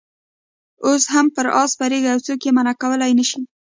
اوس هم پر آس سپرېږي او څوک یې منع کولای نه شي.